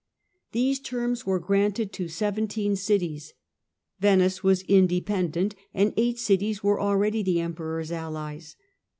These terms were granted to seventeen cities. Venice was independent, and eight cities were already the Emperor's allies.